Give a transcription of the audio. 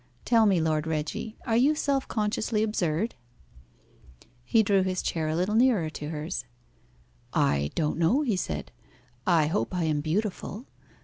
Tell me, Lord Reggie, are you self consciously absurd?" He drew his chair a little nearer to hers. "I don't know," he said; "I hope I am beautiful.